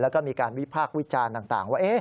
แล้วก็มีการวิพากษ์วิจารณ์ต่างว่า